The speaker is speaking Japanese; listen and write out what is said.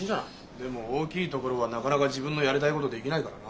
でも大きい所はなかなか自分のやりたいことできないからな。